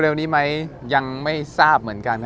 เร็วนี้ไหมยังไม่ทราบเหมือนกัน